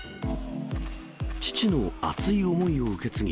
父の熱い思いを受け継ぎ、